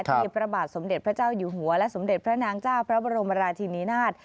ที่พระบาทสมเด็จพระเจ้าอยู่หัวและสมเด็จพระนางเจ้าพระบรมราชินีนาฏ